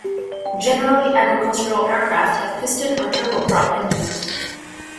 Generally agricultural aircraft have piston or turboprop engines.